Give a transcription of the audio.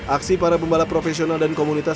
aksi para pembalap profesional dan komunitas